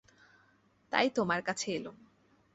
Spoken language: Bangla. তাই তোমার কাছে এলুম।